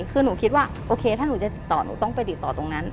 คือหนูคิดว่าโอเคถ้าหนูจะติดต่อหนูต้องไปติดต่อตรงนั้น